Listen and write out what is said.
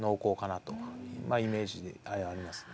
まあイメージでありますね。